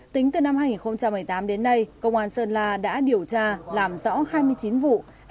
tính từ năm hai nghìn một mươi tám đến nay công an sơn la đã điều tra làm rõ hai mươi chín vụ